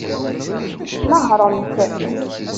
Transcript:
Nehṛemt!